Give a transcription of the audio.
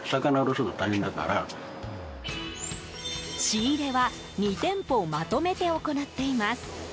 仕入れは２店舗まとめて行っています。